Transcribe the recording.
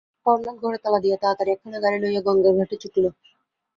হরলাল ঘরে তালা দিয়া তাড়াতাড়ি একখানা গাড়ি লইয়া গঙ্গার ঘাটে ছুটিল।